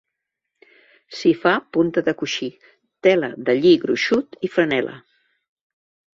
S'hi fa punta de coixí, tela de lli gruixut i franel·la.